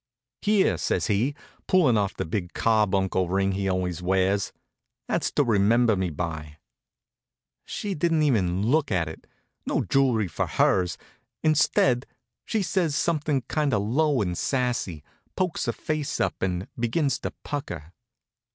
"Here," says he, pulling off the big carbuncle ring he always wears, "that's to remember me by." She didn't even look at it. No joolry for hers. Instead, she says something kind of low and sassy, pokes her face up, and begins to pucker.